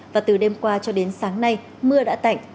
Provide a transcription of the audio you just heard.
và từ đêm qua cho đến sáng nay mưa đã tạnh